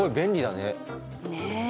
ねえ。